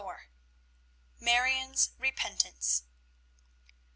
MARION'S REPENTANCE.